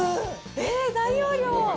えー、大容量。